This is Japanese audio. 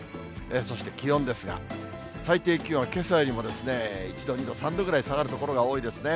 そして気温ですが、最低気温はけさよりも１度、２度、３度ぐらい下がる所が多いですね。